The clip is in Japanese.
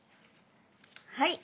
はい。